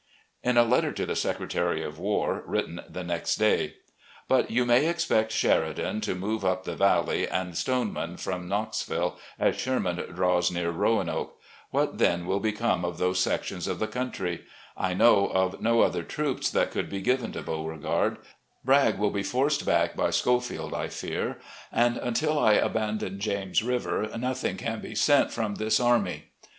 In a letter to the Secretary of War, written the next day: "... But you may expect Sheridan to move up the Valley, and Stoneman from Knoxville, as Sherman draws near Roanoke. What then will become of those sections of the country ? I know of no other troops that could be * Junction of Southside and Danville Railroad. 146 RECOLLECTIONS OF GENERAL LEE given to Beauregard. Bragg will be forced back by Schofield, I fear, and, until I abandon James River, noth ing can be sent from this army.